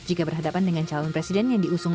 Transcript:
jika berhadapan dengan calon presiden yang diusung